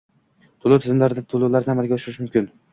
To'lov tizimlarida to'lovlarni amalga oshirish mumkin